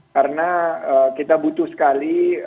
karena kita butuh sekali